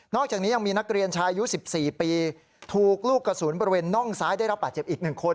อกจากนี้ยังมีนักเรียนชายอายุ๑๔ปีถูกลูกกระสุนบริเวณน่องซ้ายได้รับบาดเจ็บอีก๑คน